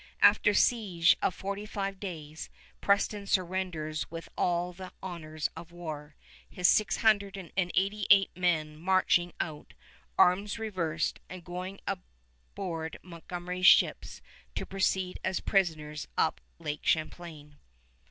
After siege of forty five days, Preston surrenders with all the honors of war, his six hundred and eighty eight men marching out, arms reversed, and going aboard Montgomery's ships to proceed as prisoners up Lake Champlain.